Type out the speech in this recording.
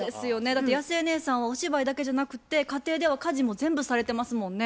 だってやすえねえさんはお芝居だけじゃなくて家庭では家事も全部されてますもんね？